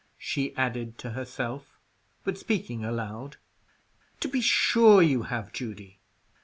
she added to herself, but speaking aloud. "To be sure you have, Judy."